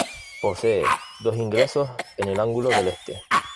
Posee dos ingresos en el ángulo del este.